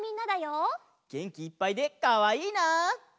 げんきいっぱいでかわいいな！